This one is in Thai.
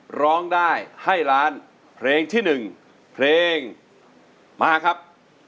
ร้องได้ให้ล้านเพลงที่๑เพลงมาครับ